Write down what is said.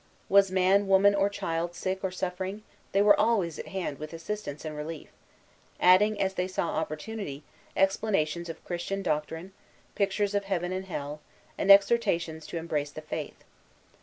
Was man, woman, or child sick or suffering, they were always at hand with assistance and relief, adding, as they saw opportunity, explanations of Christian doctrine, pictures of Heaven and Hell, and exhortations to embrace the Faith.